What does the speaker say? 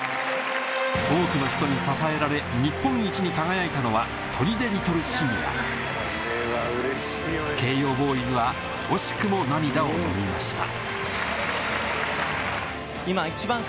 多くの人に支えられ日本一に輝いたのは取手リトルシニア京葉ボーイズは惜しくも涙をのみました